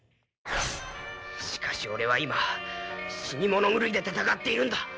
「しかし俺は今死に物狂いで戦っているんだ。